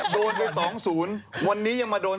โดนไป๒๐วันนี้ยังมาโดน